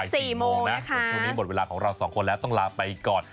ส่วนพรุ่งนี้หมดเวลาของเราสองคนแล้วต้องลาไปก่อน